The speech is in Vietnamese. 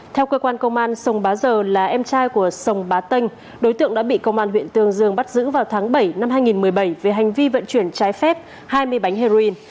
theo cơ quan công an sông bá giờ là em trai của sông bá tây đối tượng đã bị công an huyện tương dương bắt giữ vào tháng bảy năm hai nghìn một mươi bảy về hành vi vận chuyển trái phép hai mươi bánh heroin